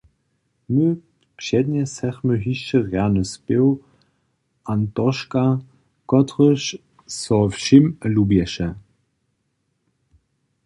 My přednjesechmy hišće rjany spěw »Антошка«, kotryž so wšěm lubješe.